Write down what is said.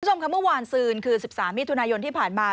คุณผู้ชมค่ะเมื่อวานซืนคือ๑๓มิถุนายนที่ผ่านมา